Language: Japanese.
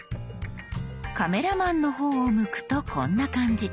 カメラマンの方を向くとこんな感じ。